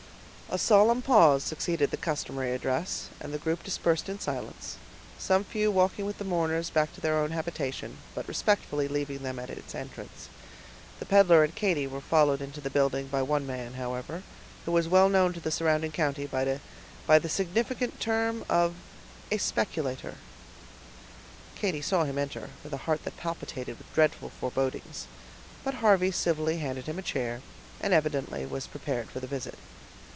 A solemn pause succeeded the customary address, and the group dispersed in silence, some few walking with the mourners back to their own habitation, but respectfully leaving them at its entrance. The peddler and Katy were followed into the building by one man, however, who was well known to the surrounding country by the significant term of "a speculator." Katy saw him enter, with a heart that palpitated with dreadful forebodings, but Harvey civilly handed him a chair, and evidently was prepared for the visit.